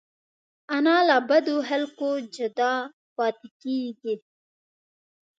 انا له بدو خلکو جدا پاتې کېږي